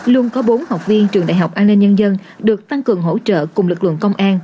luôn có bốn học viên trường đại học an ninh nhân dân được tăng cường hỗ trợ cùng lực lượng công an